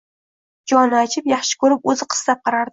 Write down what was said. Joni achib, yaxshi ko'rib, o'zi istab qarardi.